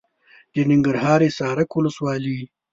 د ننګرهار حصارک ولسوالي .